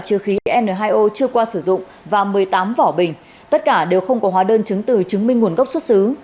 chứa khí n hai o chưa qua sử dụng và một mươi tám vỏ bình tất cả đều không có hóa đơn chứng từ chứng minh nguồn gốc xuất xứ